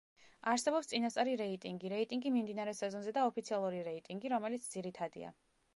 არსებობს წინასწარი რეიტინგი, რეიტინგი მიმდინარე სეზონზე და ოფიციალური რეიტინგი, რომელიც ძირითადია.